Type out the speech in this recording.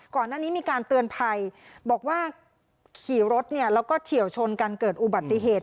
ก่อนหน้านี้มีการเตือนภัยบอกว่าขี่รถแล้วก็เฉียวชนกันเกิดอุบัติเหตุ